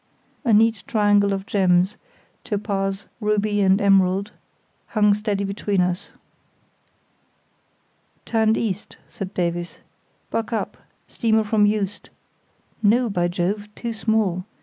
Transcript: A neat triangle of gems—topaz, ruby, and emerald—hung steady behind us. "Turned east," said Davies. "Buck up—steamer from Juist. No, by Jove! too small.